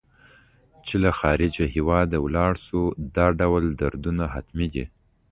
چې له خارجه هېواد ته ولاړ شو دا ډول دردونه حتمي دي.